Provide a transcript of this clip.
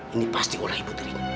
ini pasti oleh ibu putrinya